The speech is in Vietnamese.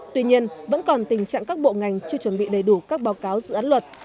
tuy nhiên vẫn còn tình trạng các bộ ngành chưa chuẩn bị đầy đủ các báo cáo dự án luật